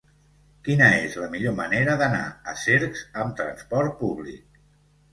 Quina és la millor manera d'anar a Cercs amb trasport públic?